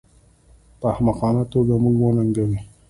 په احمقانه توګه موږ وننګوي